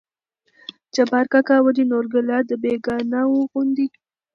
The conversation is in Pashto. جبار کاکا: ولې نورګله د بيګانه وو غوندې